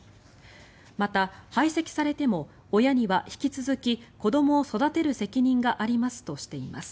また、排斥されても親には引き続き子どもを育てる責任がありますとしています。